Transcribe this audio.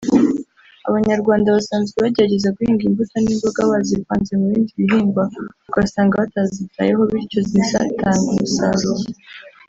Abanyarwanda basanzwe bagerageza guhinga imbuto n’imboga bazivanze mu bindi bihingwa ugasanga batazitayeho bityo ntizitange umusaruro